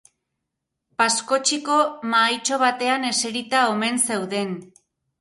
Pascocchiko mahaitxo batean eserita omen zeuden.